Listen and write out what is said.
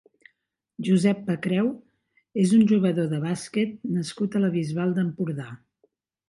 Josep Pacreu és un jugador de bàsquet nascut a la Bisbal d'Empordà.